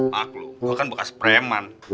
maaf lu gua kan bekas preman